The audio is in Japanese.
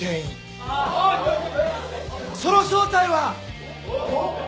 その正体は。おっ？